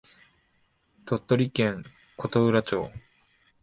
鳥取県琴浦町